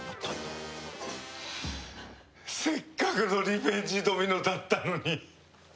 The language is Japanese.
せっかくのリベンジドミノだったのに！